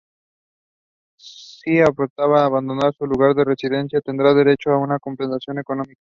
Si optaban por abandonar su lugar de residencia, tendrían derecho a una compensación económica.